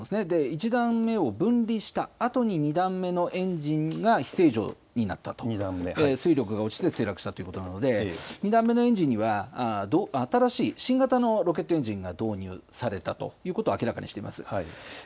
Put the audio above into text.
１段目を分離したあとに２段目のエンジンが非正常になったと、水力が落ちて墜落したということなので、２段目のエンジンは新しい、新型のロケットエンジンが導入されたということを明らかにしています。